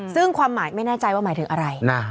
ซึ่งความหมายไม่แน่ใจว่าหมายถึงอะไร